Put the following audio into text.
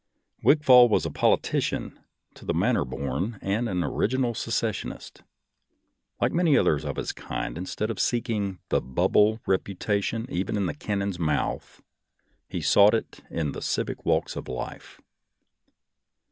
Wigfall was a politician " to the manner born," and an " original secessionist." Like many others of his kind, instead of seeking " the bubble reputation, even in the cannon's mouth," he sought it in the civic walks of life.